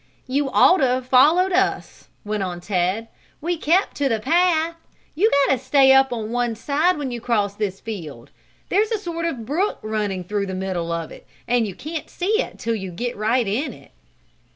"You ought to have followed us," went on Ted. "We kept to the path. You got to stay up on one side when you cross this field. There's a sort of brook running through the middle of it, and you can't see it 'till you get right in it."